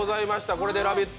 これで「ラヴィット！」